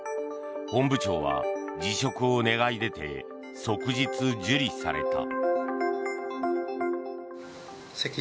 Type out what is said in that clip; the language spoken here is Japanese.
本部長は辞職を願い出て即日受理された。